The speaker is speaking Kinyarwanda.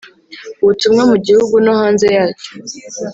ubutumwa mu Gihugu no hanze yacyo